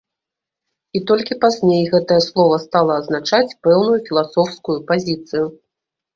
І толькі пазней гэтае слова стала азначаць пэўную філасофскую пазіцыю.